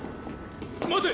待て！